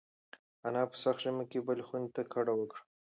انا په سخت ژمي کې بلې خونې ته کډه وکړه.